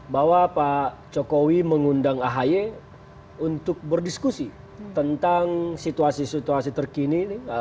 bahwa pak jokowi mengundang ahy untuk berdiskusi tentang situasi situasi terkini